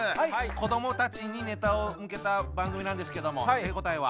子どもたちにネタを向けた番組なんですけども手応えは？